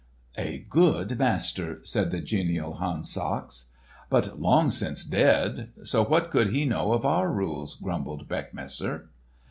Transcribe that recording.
"A good master!" said the genial Hans Sachs. "But long since dead! So what could he know of our rules?" grumbled Beckmesser.